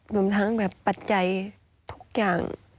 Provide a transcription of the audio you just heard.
รวมทั้งแบบปัจจัยทุกอย่าง